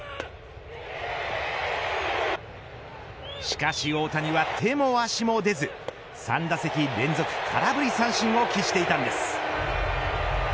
しかし大谷は手も足も出ず３打席連続空振り三振を喫していたんです。